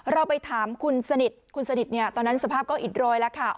เราไปถามคุณสนิทคุณสนิทเนี่ยตอนนั้นสภาพก็อิดรอยแล้วค่ะ